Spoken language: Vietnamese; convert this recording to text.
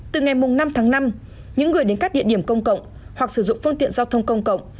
từ ngày năm tháng năm những người đến các địa điểm công cộng hoặc sử dụng phương tiện giao thông công cộng